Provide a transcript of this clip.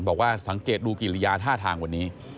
บอกว่าสังเกตดูกิริยาท่าทางวันนี้